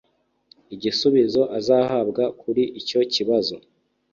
igisubizo azahabwa kuri icyo kibazo